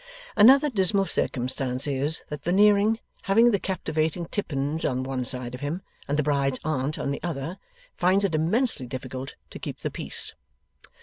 Another dismal circumstance is, that Veneering, having the captivating Tippins on one side of him and the bride's aunt on the other, finds it immensely difficult to keep the peace.